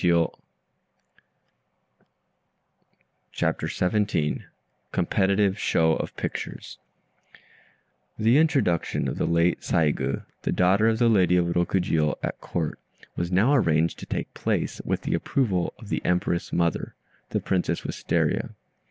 ] CHAPTER XVII COMPETITIVE SHOW OF PICTURES The introduction of the late Saigû, the daughter of the Lady of Rokjiô, at Court, was now arranged to take place, with the approval of the Empress mother (the Princess Wistaria).